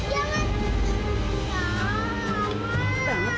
jangan jangan jangan